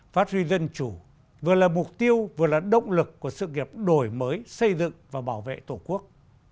phát huy dân chủ vừa là mục tiêu vừa là động lực của sự nghiệp đổi mới xây dựng và bảo vệ tổ quốc